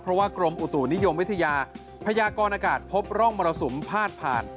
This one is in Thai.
เพราะว่ากรมอุตุนิยมวิทยาพยากรอากาศพบร่องมรสุมพาดผ่าน